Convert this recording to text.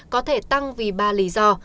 có thể tăng vì ba lý do